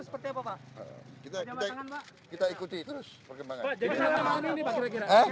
pak tengah dokter dari cksp yang sebelah situ gimana pak komunikasinya pak